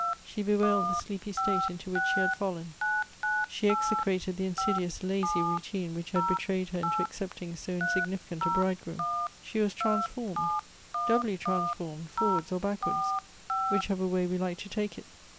She bewailed the sleepy state into which she had fallen. She execrated the insidious lazy routine which had betrayed her into accept ing so insignificant a bridegroom. She was transformed — doubly transformed, forwards or backwards, which ever way we like to take it.